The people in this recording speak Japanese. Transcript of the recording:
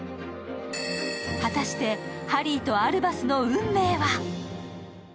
果たしてハリーとアルバスの運命は？